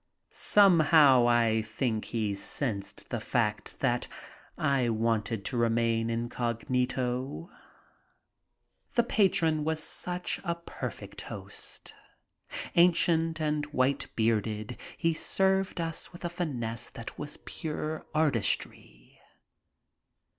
Somehow I think he sensed the fact that I wanted to remain incognito. The patron was such a perfect host. Ancient and white bearded, he served us with a finesse that was pure artistry.